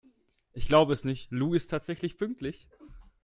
Ich glaube es nicht, Lou ist tatsächlich pünktlich!